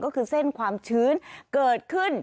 ก็คือเส้นความชื้นเกิดขึ้น